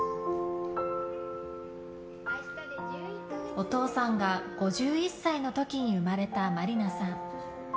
お父さんが５１歳の時に生まれた、真里奈さん。